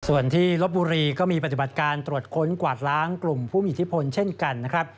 ส่วนที่ลบบุรีก็มีปฏิบัติการตรวจค้นกวาดล้างกลุ่มผู้มีอิทธิพลเช่นกันนะครับ